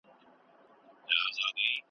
را رواني به وي ډلي د ښایستو مستو کوچیو `